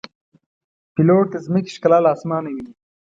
پیلوټ د ځمکې ښکلا له آسمانه ویني.